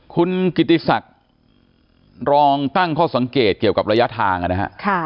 คุณกิติศักดิ์รองตั้งข้อสังเกตเกี่ยวกับระยะทางนะฮะ